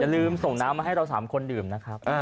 ลืมส่งน้ำมาให้เรา๓คนดื่มนะครับ